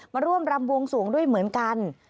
มาร่วมรำบวงสวงด้วยเหมือนกัน